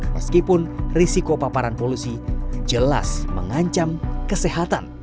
meskipun risiko paparan polusi jelas mengancam kesehatan